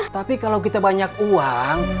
tapi kalau kita banyak uang